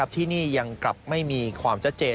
ที่นี่ยังกลับไม่มีความชัดเจน